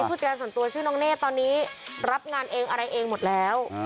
ผู้จัดการส่วนตัวชื่อน้องเนธตอนนี้รับงานเองอะไรเองหมดแล้ว